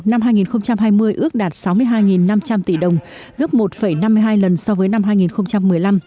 năm hai nghìn hai mươi ước đạt sáu mươi hai năm trăm linh tỷ đồng gấp một năm mươi hai lần so với năm hai nghìn một mươi năm